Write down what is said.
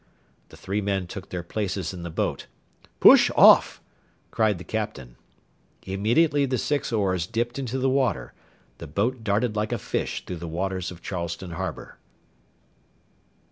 The three men took their places in the boat. "Push off!" cried the captain. Immediately the six oars dipped into the water; the boat darted like a fish through the waters of Charleston Harbour.